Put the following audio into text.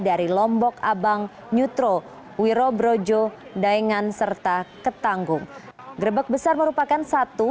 dari lombok abang nyutro wiro brojo daengan serta ketanggung grebek besar merupakan satu